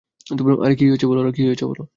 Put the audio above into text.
আরে কি হয়েছে বলো।